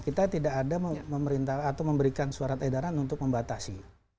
kita tidak ada memberikan suara tedaran untuk membatasi